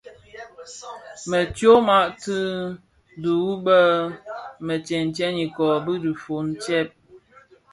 Më tyoma tse dhihuu bë mèètèn ikōō bi dhifōn tsèb.